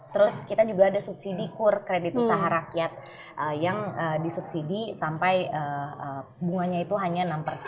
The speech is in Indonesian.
terus kita juga ada subsidi kur kredit usaha rakyat yang disubsidi sampai bunganya itu hanya enam persen